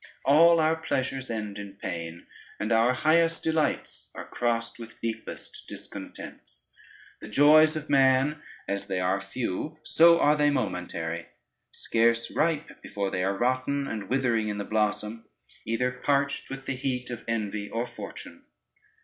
All our pleasures end in pain, and our highest delights are crossed with deepest discontents. The joys of man, as they are few, so are they momentary, scarce ripe before they are rotten, and withering in the blossom, either parched with the heat of envy or fortune.